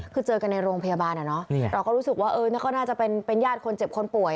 คือเจอกันในโรงพยาบาลเราก็รู้สึกว่าน่าจะเป็นย่าดคนเจ็บคนป่วย